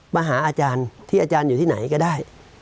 มาหาอาจารย์ที่อาจารย์อยู่ที่ไหนก็ได้